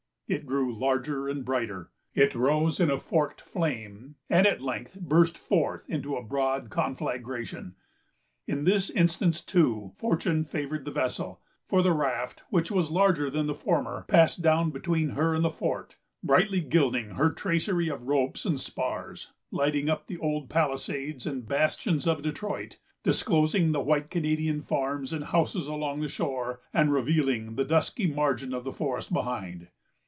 It grew larger and brighter; it rose in a forked flame, and at length burst forth into a broad conflagration. In this instance, too, fortune favored the vessel; for the raft, which was larger than the former, passed down between her and the fort, brightly gilding her tracery of ropes and spars, lighting up the old palisades and bastions of Detroit, disclosing the white Canadian farms and houses along the shore, and revealing the dusky margin of the forest behind.